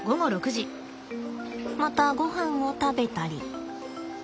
またごはんを食べたり。